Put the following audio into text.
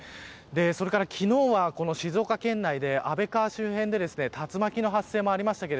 それから昨日は静岡県内で安倍川周辺で竜巻の発生もありました。